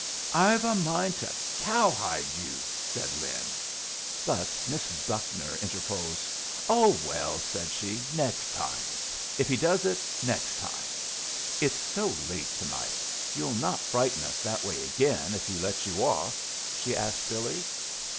"I've a mind to cowhide you," said Lin. But Miss Buckner interposed. "Oh, well," said she, "next time; if he does it next time. It's so late to night! You'll not frighten us that way again if he lets you off?" she asked Billy.